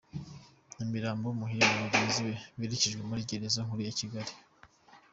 Nyamirambo Muhire na bagenzi be berekejwe muri Gereza Nkuru ya Kigali